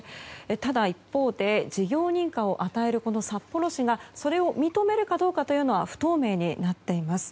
ただ、一方で事業認可を与える札幌市がそれを認めるかどうかは不透明になっています。